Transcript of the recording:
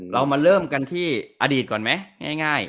เรามาเริ่มกันที่อดีตก่อนไหมง่าย